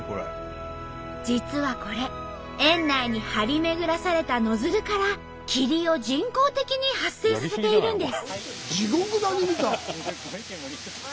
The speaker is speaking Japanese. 実はこれ園内に張り巡らされたノズルから霧を人工的に発生させているんです。